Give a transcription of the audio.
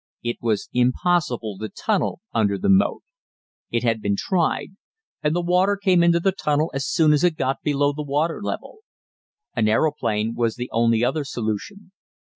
It was impossible to tunnel under the moat. It had been tried, and the water came into the tunnel as soon as it got below the water level. An aeroplane was the only other solution.